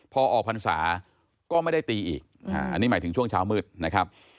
พอออกพรรษาก็ไม่ได้ตีอีกอันนี้หมายถึงช่วงเช้ามืดนะครับ